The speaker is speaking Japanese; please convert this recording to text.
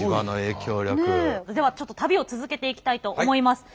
では旅を続けていきたいと思います。